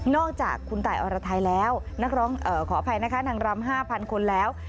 อกจากคุณตายอรไทยแล้วนักร้องขออภัยนะคะนางรำ๕๐๐คนแล้ว